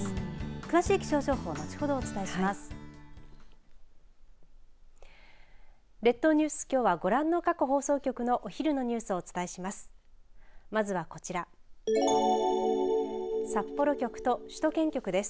詳しい気象情報後ほどお伝えします。